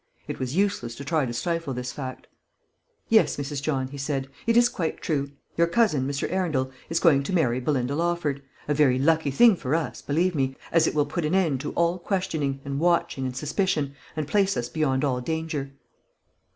It was useless to try to stifle this fact. "Yes, Mrs. John," he said, "it is quite true. Your cousin, Mr. Arundel, is going to marry Belinda Lawford; a very lucky thing for us, believe me, as it will put an end to all questioning and watching and suspicion, and place us beyond all danger."